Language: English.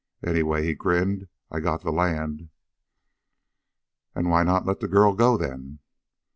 Anyway" he grinned "I got the land!" "And why not let the girl go, then?"